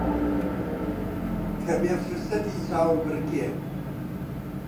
کە بێ فرسەتی چاوەبڕکێ